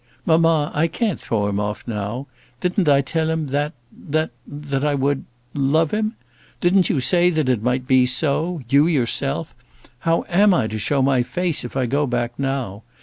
Mamma, I can't throw him off now. Didn't I tell him that, that, that I would love him? Didn't you say that it might be so, you yourself? How am I to show my face, if I go back now?